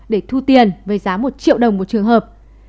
để thu tiền với giá một triệu đồng một trường hợp